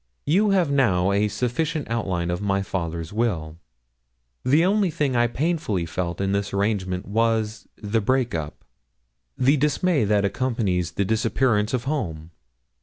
You have now a sufficient outline of my father's will. The only thing I painfully felt in this arrangement was, the break up the dismay that accompanies the disappearance of home.